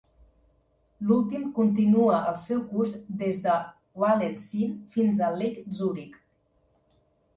L'últim continua el seu curs des de Walenseen fins a Lake Zurich.